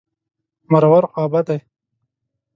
مرور... خوابدی.